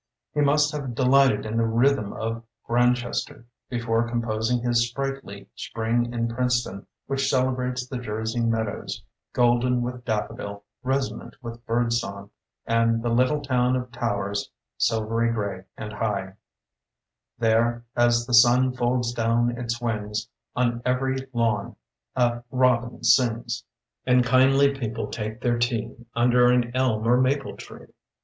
He must have delighted in the rhythm of "Grantchester" before composing his sprightly "Spring in Princeton", which celebrates the Jersey meadows — golden with daffodil, resonant with bird song — and the little town of towers "sil very gray and high": There as the sun folds down its wings, On every lawn a robin sings, *8ee, passim, Songs and Portraits. Charles Scribner's Sons. 1920. And Icindly people talce their tea, Under an elm or maple tree.